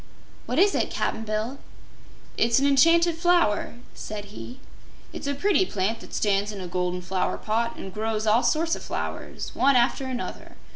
"What is it, Cap'n Bill?" "It's an Enchanted Flower," said he. "It's a pretty plant that stands in a golden flower pot an' grows all sorts o' flowers, one after another.